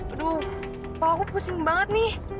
aduh pak aku pusing banget nih